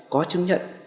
có chứng nhận